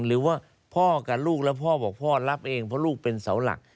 หรือว่าพ่อกับลูกแล้วพ่อบอกพ่อรับเองเพราะลูกเป็นเสาหลัก